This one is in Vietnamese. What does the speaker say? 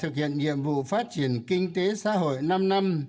thực hiện nhiệm vụ phát triển kinh tế xã hội năm năm